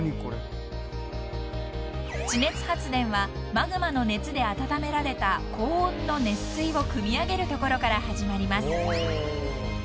［地熱発電はマグマの熱で温められた高温の熱水をくみ上げるところから始まります］